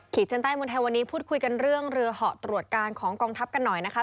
เจนใต้เมืองไทยวันนี้พูดคุยกันเรื่องเรือเหาะตรวจการของกองทัพกันหน่อยนะคะ